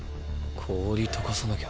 氷溶かさなきゃ。